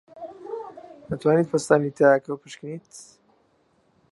دەتوانیت پەستانی تایەکە بپشکنیت؟